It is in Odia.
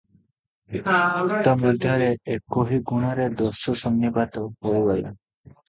ମୁହୂର୍ତ୍ତ ମଧ୍ୟରେ 'ଏକୋହି ଗୁଣରେ ଦୋଷ ସନ୍ନିପାତ' ହୋଇଗଲା ।